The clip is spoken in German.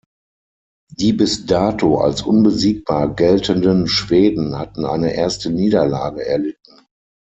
Die bis dato als unbesiegbar geltenden Schweden hatten eine erste Niederlage erlitten.